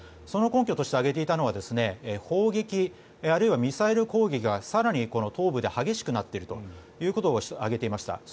その根拠として挙げていたのは砲撃、あるいはミサイル攻撃が更に東部で激しくなっているということを挙げていました。